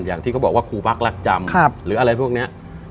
อย่างที่เขาบอกว่าครูพักรักจำหรืออะไรพวกนี้